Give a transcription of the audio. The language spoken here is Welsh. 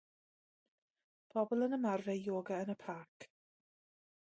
Pobl yn ymarfer yoga yn y parc.